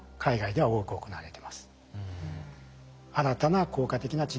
はい。